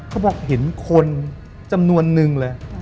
เขาบอกเห็นคนจำนวนนึงเลย